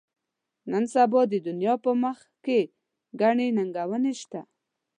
نن سبا د دین په مخ کې ګڼې ننګونې شته.